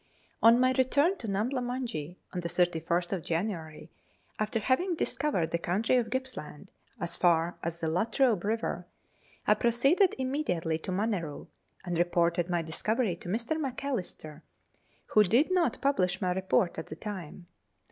On my return to Numbla Munjee on the 31st January, after having discovered the country of Gippsland as far as the La Trobe River, I proceeded immediately to Maneroo, and reported my discovery to Mr. Macalister, who did not publish my report at the time.